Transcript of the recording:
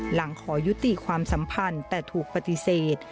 ขอยุติความสัมพันธ์แต่ถูกปฏิเสธ